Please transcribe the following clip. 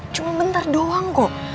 cuma bentar doang kok